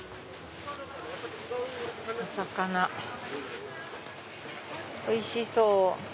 お魚おいしそう。